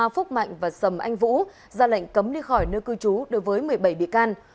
phúc mạnh và sầm anh vũ ra lệnh cấm đi khỏi nơi cư trú đối với một mươi bảy bị can